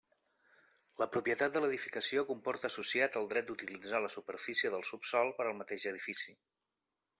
La propietat de l'edificació comporta associat el dret d'utilitzar la superfície del subsòl per al mateix edifici.